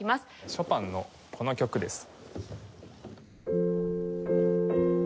ショパンのこの曲です。